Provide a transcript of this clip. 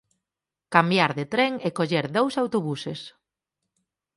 cambiar de tren e coller dous autobuses